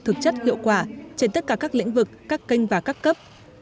thực chất hiệu quả trên tất cả các lĩnh vực các kênh và các cấp